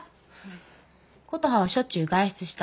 琴葉はしょっちゅう外出した。